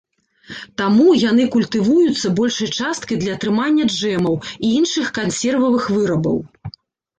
Таму яны культывуюцца большай часткай для атрымання джэмаў і іншых кансервавых вырабаў.